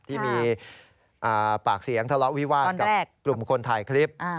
ที่มีปากเสียงทะเลาะวิวาสกับกลุ่มคนถ่ายคลิป